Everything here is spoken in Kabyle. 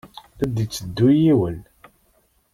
La d-itteddu yiwen.